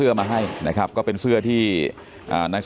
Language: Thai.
ลูกชายวัย๑๘ขวบบวชหน้าไฟให้กับพุ่งชนจนเสียชีวิตแล้วนะครับ